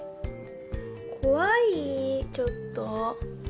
こわいちょっと。